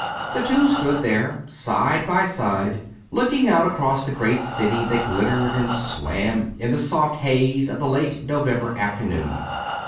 The two stood there, side by side, looking out across the great city that glittered and swam in the soft haze of the late November afternoon.